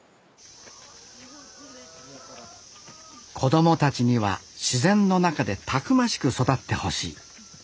子供たちには自然の中でたくましく育ってほしい。